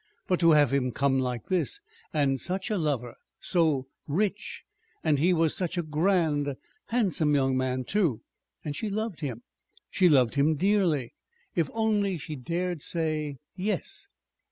But to have him come like this and such a lover! So rich and he was such a grand, handsome young man, too! And she loved him. She loved him dearly. If only she dared say "yes"!